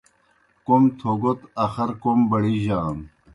کوْم تھوگوْت اخر کوْم بڑِجانوْ۔